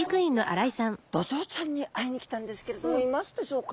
ドジョウちゃんに会いに来たんですけれどもいますでしょうか？